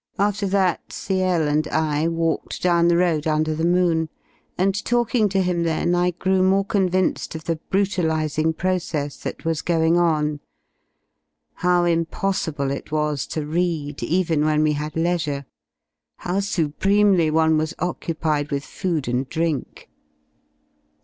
After that CI and I walked 69 _ down the road under the moon, and talking to him then I grew more convinced of the brutalising process that was going on: how impossible it was to read,. even when we had ( leisure, how supremely one was occupied with food and drink.